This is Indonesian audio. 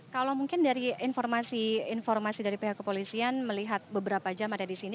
kalau mungkin dari informasi dari pihak kepolisian melihat beberapa jam ada di sini